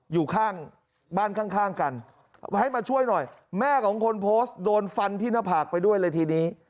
อยู่ข้างบ้านข้างกันให้มาช่วยหน่อยแม่ของคนโพสต์โดนฟันที่หน้าผากไปด้วยเลยทีนี้